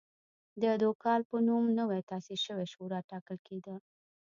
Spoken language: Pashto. د دوکال په نوم نوې تاسیس شوې شورا ټاکل کېده.